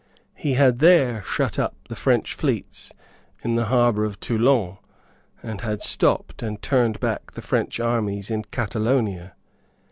He had there shut up the French fleets in the harbour of Toulon, and had stopped and turned back the French armies in Catalonia.